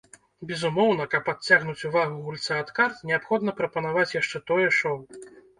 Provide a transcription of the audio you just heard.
Безумоўна, каб адцягнуць увагу гульца ад карт, неабходна прапанаваць яшчэ тое шоў.